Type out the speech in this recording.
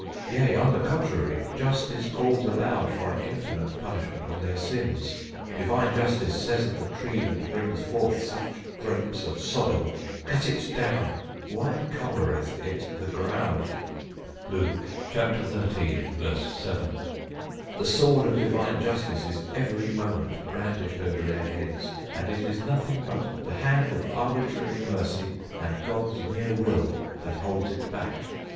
Yea, on the contrary, justice calls aloud for an infinite punishment on their sins. Divine justice says of the tree that brings forth such grapes of Sodom, "Cut it down, why cumbereth it the ground?" Luke xiii. 7. The sword of divine justice is every moment brandished over their heads, and it is nothing but the hand of arbitrary mercy, and God's mere will, that holds it back.